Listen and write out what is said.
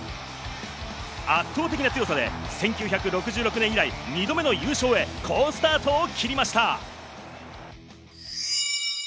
圧倒的な強さで１９６６年以来、２度目の優勝へ好スタートを切りました。